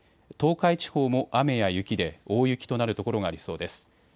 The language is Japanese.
東海地方も雨や雪で大雪となる所がありそうです。